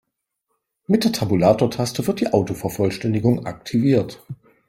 Mit der Tabulatortaste wird die Autovervollständigung aktiviert.